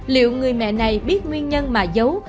liệu người mẹ này biết nguyên nhân mà giấu